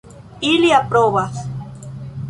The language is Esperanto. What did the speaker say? Ili aprobas.